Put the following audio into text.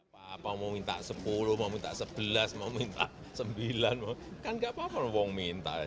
bagaimana menurut presiden joko widodo